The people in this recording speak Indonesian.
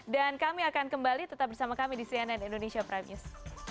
dan kami akan kembali tetap bersama kami di cnn indonesia prime news